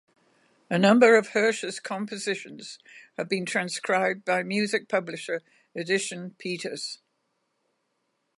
A number of Hersch's compositions have been transcribed by music publisher Edition Peters.